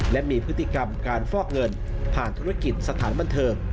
และมีพฤติกรรมการฟอกเงินผ่านธุรกิจสถานบันเทิง